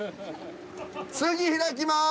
次開きます。